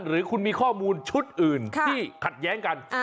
หรือคุณมีข้อมูลชุดอื่นที่ขัดแย้งกัน